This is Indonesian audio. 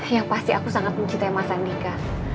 yang pasti aku sangat mencintai mas andika